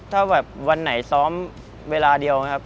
ถ้าแบบวันไหนซ้อมเวลาเดียวนะครับ